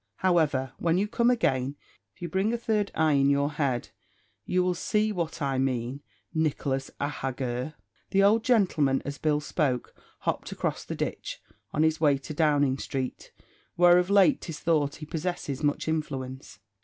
However, when you come again, if you bring a third eye in your head you will see what I mane, Nicholas, ahagur." The old gentleman, as Bill spoke, hopped across the ditch, on his way to Downing street, where of late 'tis thought he possesses much influence.